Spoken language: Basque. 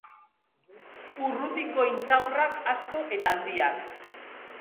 Urrutiko intxaurrak asko eta handiak.